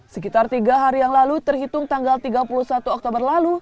sekitar tiga hari yang lalu terhitung tanggal tiga puluh satu oktober lalu